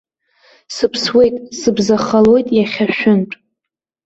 Сыԥсуеит, сыбзахалоит иахьа шәынтә.